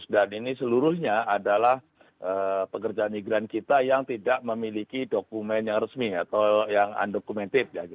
dan ini seluruhnya adalah pekerja migran kita yang tidak memiliki dokumen yang resmi atau yang undocumented